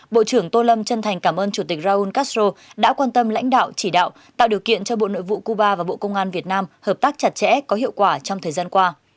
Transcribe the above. bộ trưởng tô lâm chân thành cảm ơn chủ tịch raúl castro đã quan tâm lãnh đạo chỉ đạo tạo điều kiện cho bộ nội vụ cuba và bộ công an việt nam hợp tác chặt chẽ có hiệu quả trong thời gian qua